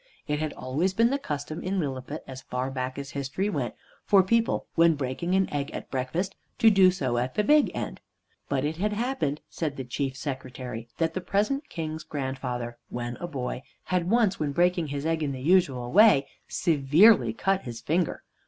It had always been the custom in Lilliput, as far back as history went, for people when breaking an egg at breakfast to do so at the big end. But it had happened, said the Chief Secretary, that the present King's grandfather, when a boy, had once when breaking his egg in the usual way, severely cut his finger.